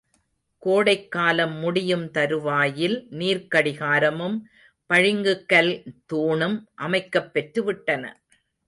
கோடைக்காலம் முடியும் தருவாயில் நீர்க்கடிகாரமும் பளிங்குக்கல் தூணும் அமைக்கப் பெற்றுவிட்டன.